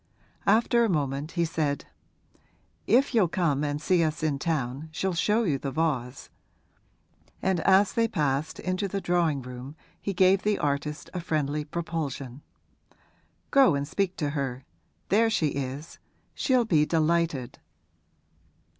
After a moment he said, 'If you'll come and see us in town she'll show you the vase.' And as they passed into the drawing room he gave the artist a friendly propulsion. 'Go and speak to her; there she is she'll be delighted.'